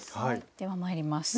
ではまいります。